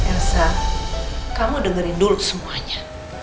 elsa kamu dengerin dulu semuanya